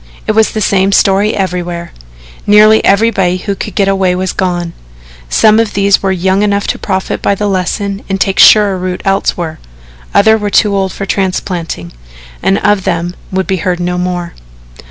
It was the same story everywhere. Nearly everybody who could get away was gone. Some of these were young enough to profit by the lesson and take surer root elsewhere others were too old for transplanting, and of them would be heard no more.